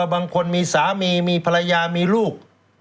บางคนมีสามีมีภรรยามีลูก